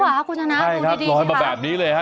คุณผู้น้ำกูดีดีชีพาหลอยมาแบบนี้เลยฮะ